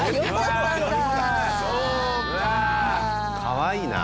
かわいいな。